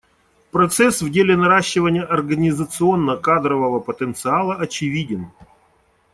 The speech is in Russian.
Прогресс в деле наращивания организационно-кадрового потенциала очевиден.